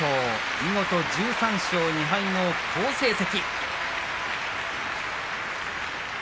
見事１３勝２敗の好成績。